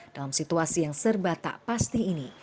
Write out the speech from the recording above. dalam situasi yang serba tak pasti ini